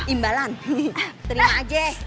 imbalan terima aja